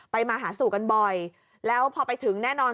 มาหาสู่กันบ่อยแล้วพอไปถึงแน่นอน